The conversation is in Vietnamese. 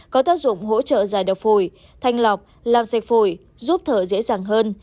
có tác dụng hỗ trợ giải độc phổi thanh lọc làm sạch phổi giúp thở dễ dàng hơn